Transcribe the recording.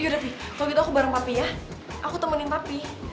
yaudah fi kalau gitu aku bareng papi ya aku temenin papi